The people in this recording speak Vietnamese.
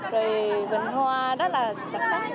rồi vườn hoa rất là đặc sắc